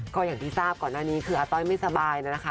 ก็อย่างที่ทราบก่อนหน้านี้คืออาต้อยไม่สบายนะคะ